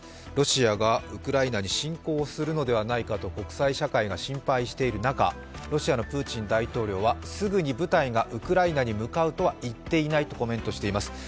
ロシアがウクライナに侵攻するのではないかと国際社会が心配している中、ロシアのプーチン大統領はすぐに部隊がウクライナに向かうとは言っていないとしています。